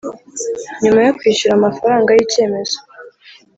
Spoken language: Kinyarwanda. Nyuma yo kwishyura amafaranga y icyemezo